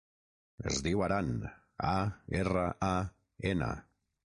Es diu Aran: a, erra, a, ena.